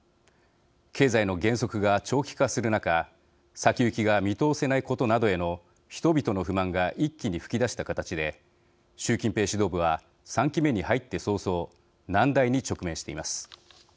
経済の減速が長期化する中先行きが見通せないことなどへの人々の不満が一気に噴き出した形で習近平指導部は３期目に入って早々難題に直面しています。